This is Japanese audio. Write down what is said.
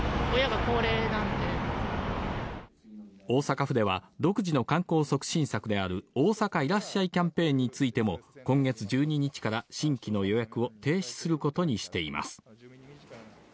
大阪府では独自の観光促進策である大阪いらっしゃいキャンペーンについても今月１２日から、新規の予約を停止することにしています。